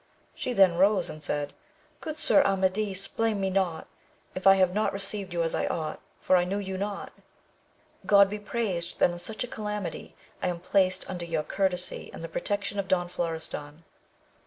She then rose and said, Good sir Amadis, blame me not, if I have not received you as I ought, for I knew you not. God be praised, that in such a calamity, I am placed under your cour tesy, and the protection of Don Florestan.